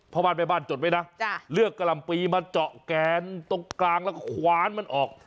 บ้านแม่บ้านจดไว้นะเลือกกะหล่ำปีมาเจาะแกนตรงกลางแล้วก็คว้านมันออก